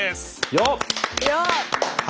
よっ！